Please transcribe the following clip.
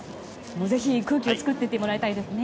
ぜひ空気を作っていってもらいたいですね。